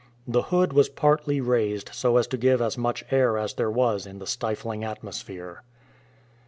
The hood was partly raised so as to give as much air as there was in the stifling atmosphere.